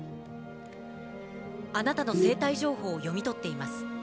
あなたの生体情報を読み取っています。